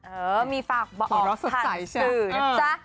เอิ่มมีฝากเอาขันสื่อจะ